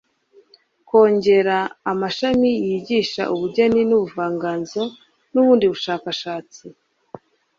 kongera amashami yigisha ubugeni n'ubuvanganzo n'ubundi bushakashatsi